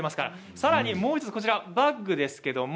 さらにもう１つ、バッグです。